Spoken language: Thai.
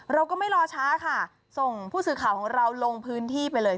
เราก็ไม่รอช้าค่ะส่งผู้สื่อข่าวของเราลงพื้นที่ไปเลย